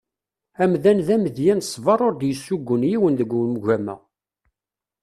Amdan d amedya n ṣsber ur d-yessugun yiwen deg ugama.